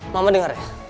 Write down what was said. mama denger ya